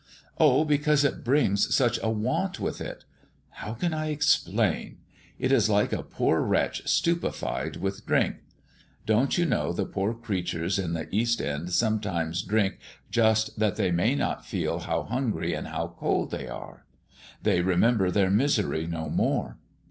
"Oh, because it brings such a want with it. How can I explain? It is like a poor wretch stupefied with drink. Don't you know the poor creatures in the Eastend sometimes drink just that they may not feel how hungry and how cold they are? 'They remember their misery no more.'